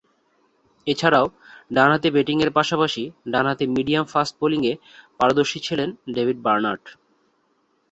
এছাড়াও, ডানহাতে ব্যাটিংয়ের পাশাপাশি ডানহাতে মিডিয়াম-ফাস্ট বোলিংয়ে পারদর্শী ছিলেন ডেভিড বার্নার্ড।